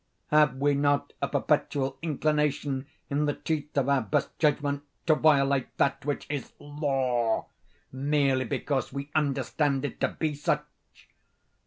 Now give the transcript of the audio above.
Have we not a perpetual inclination, in the teeth of our best judgment, to violate that which is Law, merely because we understand it to be such?